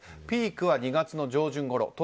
ピークは２月の上旬ごろ。